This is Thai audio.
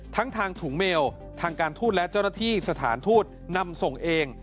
ทั้งทางถุงเมลทางการทูตและเจ้าหน้าที่สถานทูตนำส่งเอง